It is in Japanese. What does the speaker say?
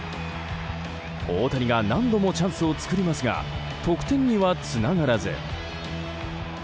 大谷が何度もチャンスを作りますが得点にはつながらず。